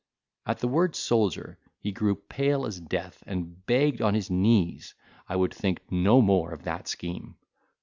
At the word soldier, he grew pale as death, and begged on his knees I would think no more of that scheme.